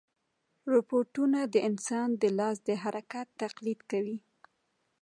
روبوټونه د انسان د لاس د حرکت تقلید کوي.